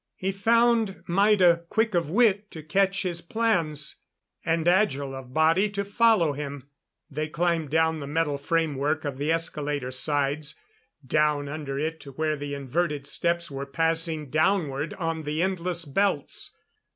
He found Maida quick of wit to catch his plans; and agile of body to follow him. They climbed down the metal frame work of the escalator sides; down under it to where the inverted steps were passing downward on the endless belts.